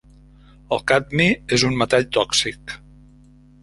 El cadmi és un metall tòxic.